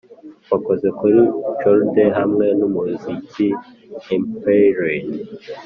wakoze kuri chord hamwe numuziki empyrean.